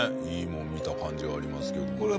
いいもの見た感じはありますけれども。